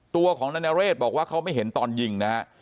ตัวของนายนเรศบอกว่าเขาไม่เห็นตอนยิงนะฮะ